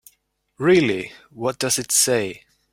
Really, what does it say?